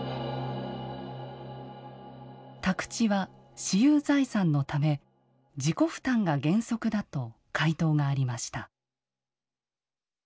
宅地は「私有財産」のため自己負担が原則だと回答がありました。